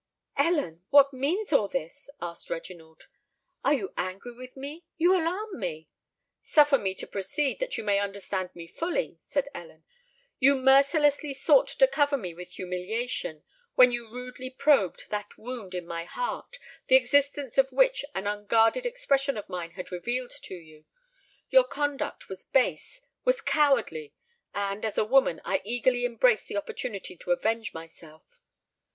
"Ellen, what means all this?" asked Reginald: "are you angry with me? You alarm me!" "Suffer me to proceed, that you may understand me fully," said Ellen. "You mercilessly sought to cover me with humiliation, when you rudely probed that wound in my heart, the existence of which an unguarded expression of mine had revealed to you. Your conduct was base—was cowardly; and, as a woman, I eagerly embraced the opportunity to avenge myself."